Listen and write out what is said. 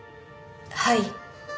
はい。